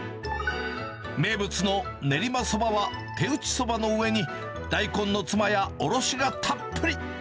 名物の練馬そばは、手打ちそばの上に大根のつまやおろしがたっぷり。